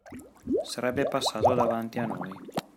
Sarebbe passato davanti a noi.